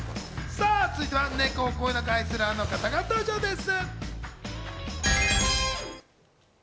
続いてはネコをこよなく愛するあの方が登場です！